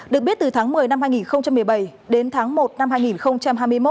được biết từ tháng một mươi năm hai nghìn một mươi bảy đến tháng một năm hai nghìn hai mươi một